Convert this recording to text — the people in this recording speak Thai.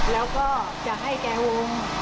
แล้วก็จะให้แกวง